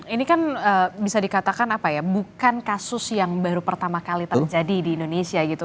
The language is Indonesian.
ini kan bisa dikatakan apa ya bukan kasus yang baru pertama kali terjadi di indonesia gitu